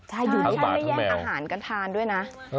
ทั้งบากทั้งแมวใช่อยู่ที่ไม่แย่งอาหารกันทานด้วยนะ